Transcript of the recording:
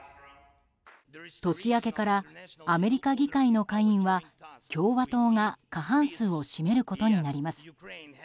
年明けからアメリカ議会の下院は共和党が過半数を占めることになります。